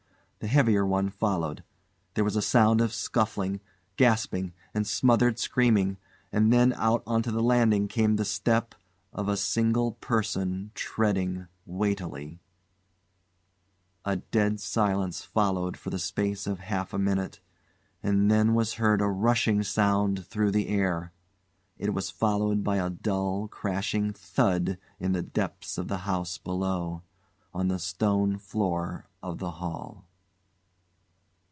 The heavier one followed. There was a sound of scuffling, gasping, and smothered screaming; and then out on to the landing came the step of a single person treading weightily. A dead silence followed for the space of half a minute, and then was heard a rushing sound through the air. It was followed by a dull, crashing thud in the depths of the house below on the stone floor of the hall.